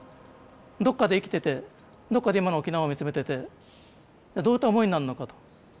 どっかで生きててどっかで今の沖縄を見つめててどういった思いになるのかと。